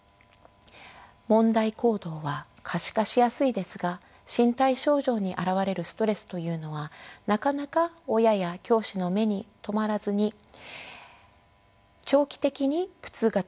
問題行動は可視化しやすいですが身体症状に表れるストレスというのはなかなか親や教師の目に留まらずに長期的に苦痛が続いてしまう場合もあります。